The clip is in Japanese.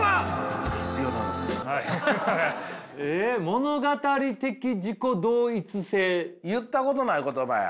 物語的自己同一性。言ったことない言葉や。